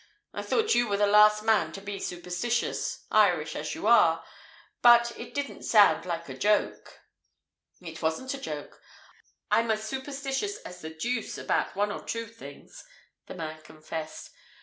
I thought you were the last man to be superstitious, Irish as you are, but it didn't sound like a joke " "It wasn't a joke. I'm as superstitious as the deuce about one or two things," the man confessed.